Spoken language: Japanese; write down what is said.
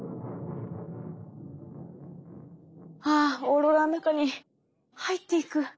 あオーロラの中に入っていく。